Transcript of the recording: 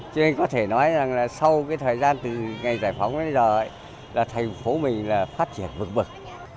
cho nên có thể nói là sau thời gian từ ngày giải phóng đến giờ thành phố mình là phát triển vượt bực